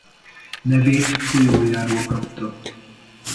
Nevét folyójáról kapta.